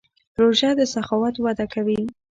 روژه د سخاوت وده کوي.